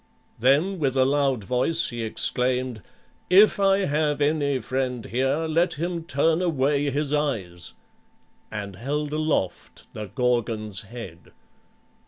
Then with a loud voice he exclaimed, "If I have any friend here let him turn away his eyes!" and held aloft the Gorgon's head.